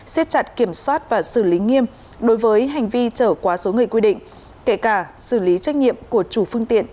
xét chặt kiểm soát và xử lý nghiêm đối với hành vi trở quá số người quy định kể cả xử lý trách nhiệm của chủ phương tiện